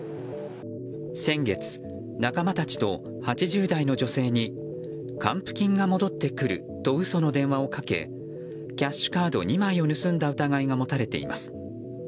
先月、仲間たちと８０代の女性に還付金が戻ってくると嘘の電話をかけキャッシュカード２枚を盗んだ疑いが持たれています。